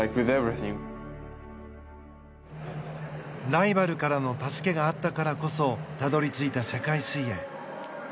ライバルからの助けがあったからこそたどり着いた世界水泳。